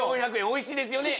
おいしいですよね。